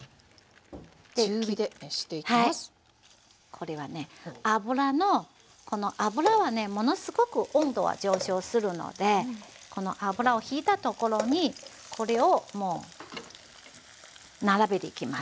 これはね油のこの油はねものすごく温度は上昇するのでこの油をひいたところにこれをもう並べていきます。